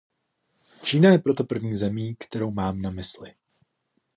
Čína je proto první zemí, kterou mám na mysli.